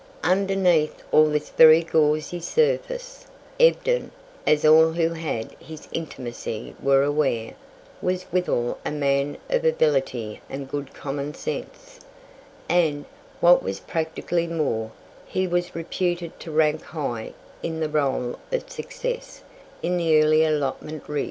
Underneath all this very gauzy surface, Ebden, as all who had his intimacy were aware, was withal a man of ability and good common sense, and, what was practically more, he was reputed to rank high in the role of success in the early allotment rig.